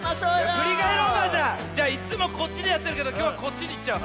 じゃいっつもこっちでやってるけどきょうはこっちにいっちゃう。